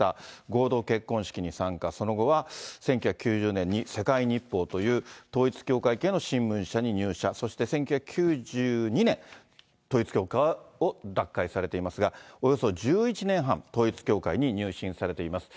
合同結婚式に参加、その後は１９９０年に、世界日報という統一教会系の新聞社に入社、そして１９９２年、統一教会を奪回されていますが、およそ１１年半、統一教会に入信されています。